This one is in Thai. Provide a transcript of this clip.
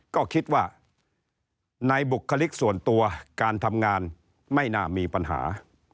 ก็คิดว่าในบุคลิกส่วนตัวการทำงานไม่น่ามีปัญหา